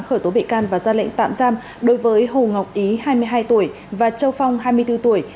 khởi tố bị can và ra lệnh tạm giam đối với hồ ngọc ý hai mươi hai tuổi và châu phong hai mươi bốn tuổi